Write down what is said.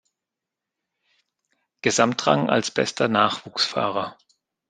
Gesamtrang als bester Nachwuchsfahrer.